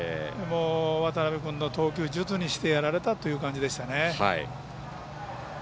渡邊君の投球術にしてやられたという感じですね。